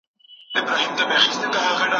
استازي د هېواد په کچه قوانين څېړي.